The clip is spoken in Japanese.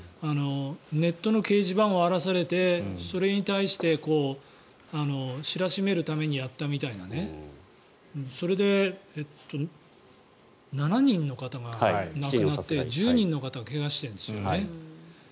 ネットの掲示板を荒らされてそれに対して知らしめるためにやったみたいなそれで７人の方が亡くなって１０人の方が怪我をしているんですよね。